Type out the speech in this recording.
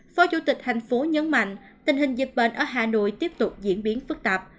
phó chủ tịch thành phố nhấn mạnh tình hình dịch bệnh ở hà nội tiếp tục diễn biến phức tạp